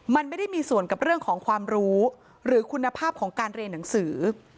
มันไม่ได้มีส่วนกับเรื่องของความรู้หรือคุณภาพของการเรียนหนังสือ